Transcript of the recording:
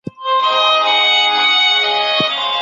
د پخوانیو کروندګرو تر منځ د اوبو ویش څنګه کېده؟